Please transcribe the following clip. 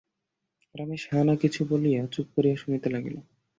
রমেশ হাঁ-না কিছু না বলিয়া চুপ করিয়া শুনিতে লাগিল।